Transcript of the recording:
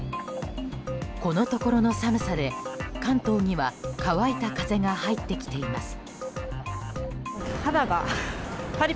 このところの寒さで関東には乾いた風が入ってきています。